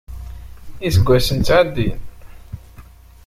Iseggasen ttɛeddin.